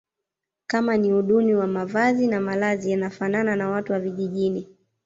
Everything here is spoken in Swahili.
Kama ni uduni wa mavazi na malazi yanafanana na watu wa vijijini